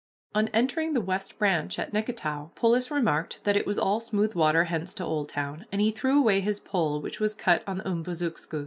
On entering the West Branch at Nicketow, Polis remarked that it was all smooth water hence to Oldtown, and he threw away his pole which was cut on the Umbazookskus.